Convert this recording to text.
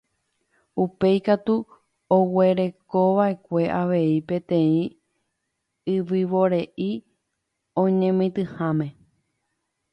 Upéi katu oguerekova'ekue avei peteĩ yvyvore'i oñemitỹháme.